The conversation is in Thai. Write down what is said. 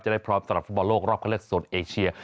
ได้พร้อมสำหรับฟุตบอลโลกรอบเข้าเลือกโซนเอเชีย